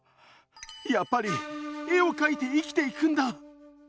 やっぱり絵を描いて生きていくんだ！